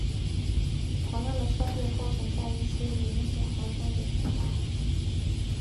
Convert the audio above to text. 同样的衰变过程在一些原子核中也存在。